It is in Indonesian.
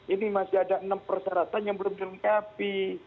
ini masih ada enam persyaratan yang belum dilengkapi